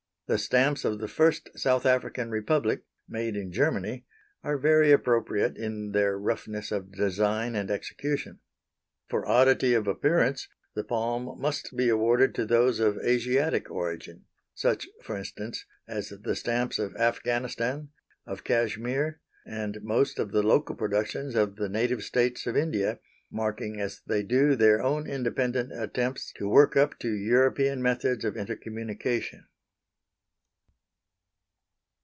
The stamps of the first South African Republic, made in Germany, are very appropriate in their roughness of design and execution. For oddity of appearance the palm must be awarded to those of Asiatic origin, such, for instance, as the stamps of Afghanistan, of Kashmir, and most of the local productions of the Native States of India, marking as they do their own independent attempts to work up to European methods of intercommunication.